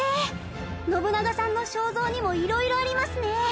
信長さんの肖像にも色々ありますね。